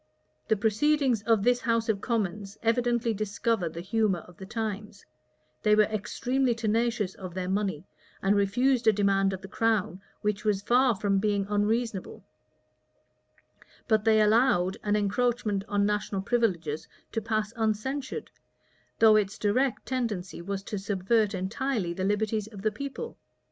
[*] The proceedings of this house of commons evidently discover the humor of the times: they were extremely tenacious of their money, and refused a demand of the crown which was far from being unreasonable; but they allowed an encroachment on national privileges to pass uncensured, though its direct tendency was to subvert entirely the liberties of the people.